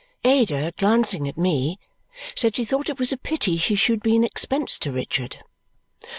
Ada, glancing at me, said she thought it was a pity he should be an expense to Richard.